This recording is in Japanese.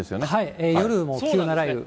夜も急な雷雨。